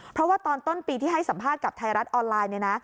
เพราะว่าตอนต้นปีที่ให้สัมภาษณ์กับไทยรัฐออนไลน์เนี่ยนะ